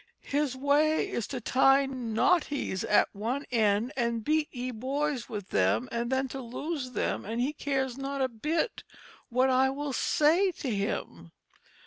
His way is to tie knottys at one end & beat ye Boys with them and then to lose them & he cares not a bit what I will say to him."